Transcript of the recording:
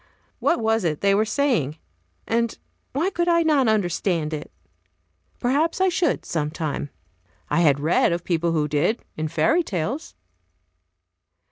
What was it they were saying? and why could not I understand it? Perhaps I should, sometime. I had read of people who did, in fairy tales.